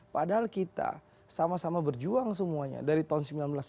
padahal kita sama sama berjuang semuanya dari tahun seribu sembilan ratus sembilan puluh